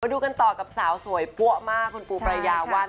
ดูกันต่อกับสาวสวยปั้วมากคุณปูปรายาวัน